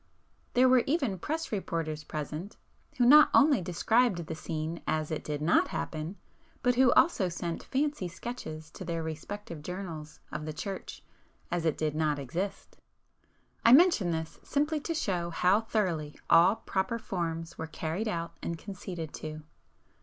There were even press reporters present, who not only described the scene as it did not happen, but who also sent fancy sketches, to their respective journals, of the church as it did not exist. I mention this simply to show how thoroughly all "proper forms" were carried out and conceded to.